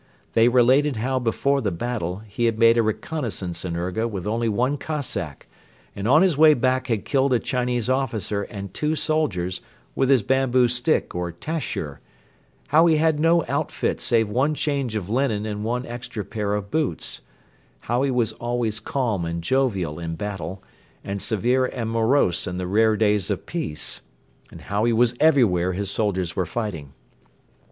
They related how before the battle he had made a reconnaissance in Urga with only one Cossack and on his way back had killed a Chinese officer and two soldiers with his bamboo stick or tashur; how he had no outfit save one change of linen and one extra pair of boots; how he was always calm and jovial in battle and severe and morose in the rare days of peace; and how he was everywhere his soldiers were fighting.